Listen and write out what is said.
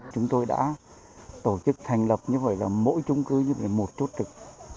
chúng tôi đã tổ chức thành lập như vậy là mỗi trung cư như một chốt trực